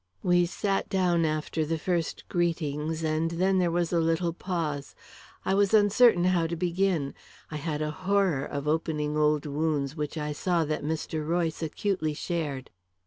We sat down after the first greetings, and then there was a little pause. I was uncertain how to begin; I had a horror of opening old wounds which I saw that Mr. Royce acutely shared.